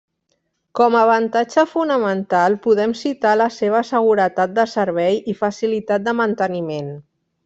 Com a avantatge fonamental podem citar la seva seguretat de servei i facilitat de manteniment.